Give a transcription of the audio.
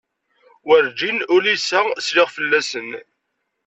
Werǧin uliseɣ sliɣ fell-asen.